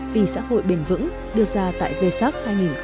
vì xã hội bền vững đưa ra tại vsaf hai nghìn một mươi chín